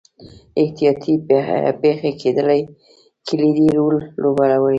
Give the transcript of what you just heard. احتیاطي پېښې کلیدي رول لوبوي.